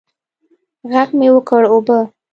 ږغ مې وکړ اوبه.